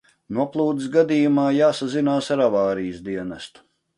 Noplūdes gadījumā jāsazinās ar avārijas dienestu.